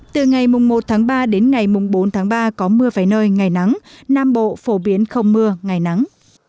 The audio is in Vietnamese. từ ngày một tháng ba đến ngày bốn tháng ba có mưa vài nơi ngày nắng nam bộ phổ biến không mưa ngày nắng